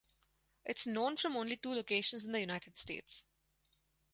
It is known from only two locations in the United States.